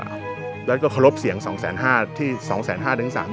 แล้วก็เคารพเสี่ยง๒๕๐๐๐๐ที่๒๕๐๐๐๐ถึง๓๐๐๐๐๐